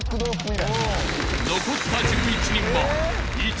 ［残った１１人は］